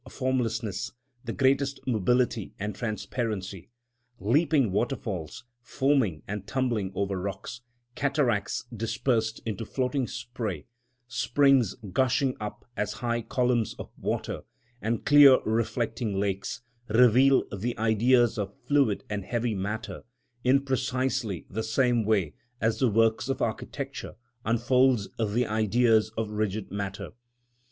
_, formlessness, the greatest mobility and transparency. Leaping waterfalls foaming and tumbling over rocks, cataracts dispersed into floating spray, springs gushing up as high columns of water, and clear reflecting lakes, reveal the Ideas of fluid and heavy matter, in precisely the same way as the works of architecture unfold the Ideas of rigid matter.